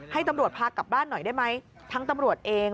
ให้ตำรวจพากลับบ้านหน่อยได้ไหมทั้งตำรวจเอง